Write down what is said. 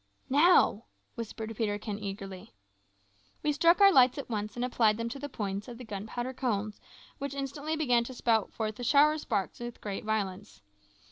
"Now!" whispered Peterkin eagerly. We struck our lights at once and applied them to the points of the gunpowder cones, which instantly began to spout forth a shower of sparks with great violence.